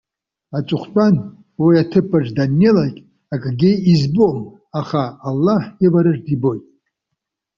Аҵыхәтәан, уи аҭыԥаҿы даннеилак, акгьы избом, аха Аллаҳ ивараҿы дибоит.